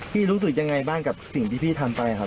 รู้สึกยังไงบ้างกับสิ่งที่พี่ทำไปครับ